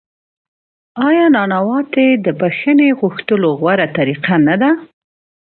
آیا نانواتې د بخښنې غوښتلو غوره طریقه نه ده؟